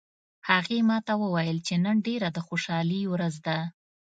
هغې ما ته وویل چې نن ډیره د خوشحالي ورځ ده